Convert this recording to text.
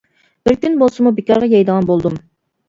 بىر كۈن بولسىمۇ بىكارغا يەيدىغان بولدۇم.